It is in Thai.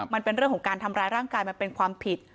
มันเป็นเรื่องของการทำร้ายร่างกายมันเป็นความผิด